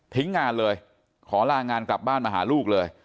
งานเลยขอลางานกลับบ้านมาหาลูกเลย